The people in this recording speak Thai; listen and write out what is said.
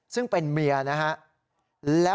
ซึ่งเป็นเมียนะฮะ